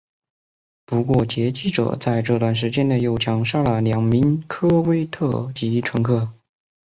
不过劫机者在这段时间内又枪杀了两名科威特籍乘客。